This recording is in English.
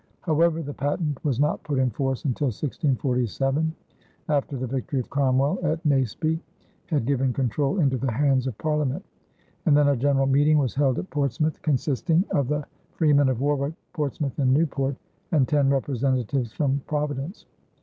However, the patent was not put in force until 1647, after the victory of Cromwell at Naseby had given control into the hands of Parliament; and then a general meeting was held at Portsmouth consisting of the freemen of Warwick, Portsmouth, and Newport, and ten representatives from Providence.